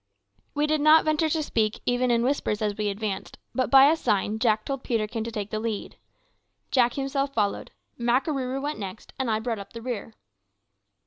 We did not venture to speak even in whispers as we advanced; but by a sign Jack told Peterkin to take the lead. Jack himself followed. Makarooroo went next, and I brought up the rear.